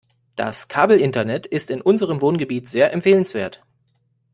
Das Kabelinternet ist in unserem Wohngebiet sehr empfehlenswert.